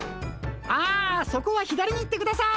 あそこは左に行ってください。